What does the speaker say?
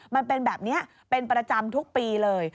มันเป็นแบบนี้เป็นประจำทุกปีเลย